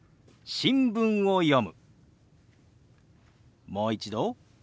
「新聞を読む」。